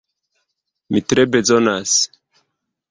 Mi tre bezonas!